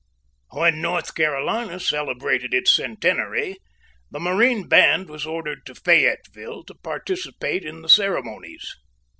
When North Carolina celebrated its centenary, the Marine Band was ordered to Fayetteville to participate in the ceremonies.